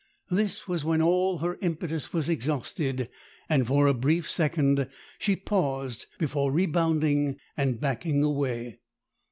This was when all her impetus was exhausted, and for a brief second she paused before rebounding and backing away.